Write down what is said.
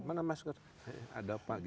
mana masker ada apa